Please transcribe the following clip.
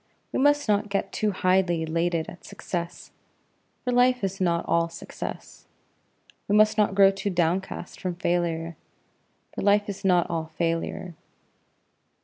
We must not get too highly elated at success, for life is not all success. We must not grow too downcast from failure, for life is not all failure.